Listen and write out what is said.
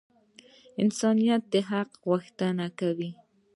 انسانیت د حق غوښتنه کوي.